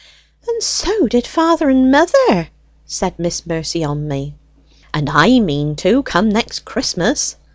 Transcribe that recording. "And so did father and mother," said Miss Mercy Onmey. "And I mean to, come next Christmas!"